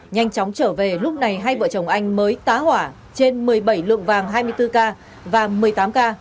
nhanh chóng trở về lúc này hai vợ chồng anh mới tá hỏa trên một mươi bảy lượng vàng hai mươi bốn k và một mươi tám k